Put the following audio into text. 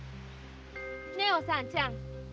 ねえおさんちゃん。